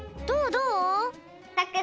どう？